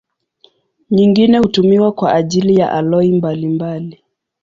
Nyingine hutumiwa kwa ajili ya aloi mbalimbali.